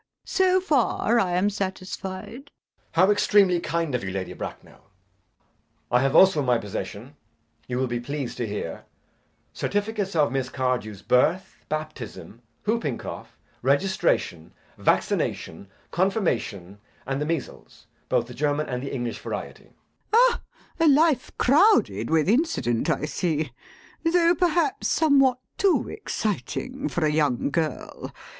So far I am satisfied. JACK. [Very irritably.] How extremely kind of you, Lady Bracknell! I have also in my possession, you will be pleased to hear, certificates of Miss Cardew's birth, baptism, whooping cough, registration, vaccination, confirmation, and the measles; both the German and the English variety. LADY BRACKNELL. Ah! A life crowded with incident, I see; though perhaps somewhat too exciting for a young girl.